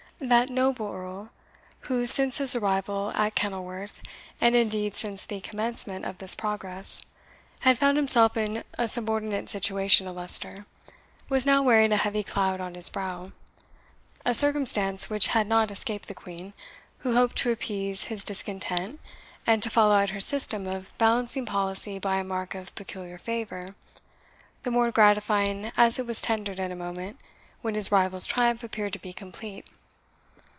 That noble Earl, who since his arrival at Kenilworth, and indeed since the commencement of this Progress, had found himself in a subordinate situation to Leicester, was now wearing a heavy cloud on his brow; a circumstance which had not escaped the Queen, who hoped to appease his discontent, and to follow out her system of balancing policy by a mark of peculiar favour, the more gratifying as it was tendered at a moment when his rival's triumph appeared to be complete.